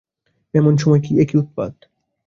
এমন সময় এ কী উৎপাত!